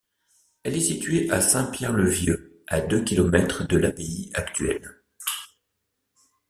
Elle est située à Saint-Pierre-le-Vieux, à deux kilomètres de l'abbaye actuelle.